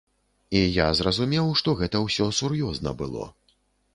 І я зразумеў, што гэта ўсё сур'ёзна было.